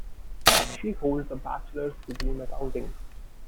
She holds a bachelor's degree in accounting.